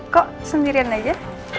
kok sendirian aja